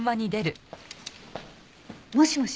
もしもし？